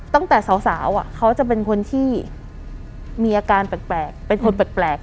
ตั้งแต่สาวสาวอ่ะเขาจะเป็นคนที่มีอาการแปลกแปลกเป็นคนแปลกแปลก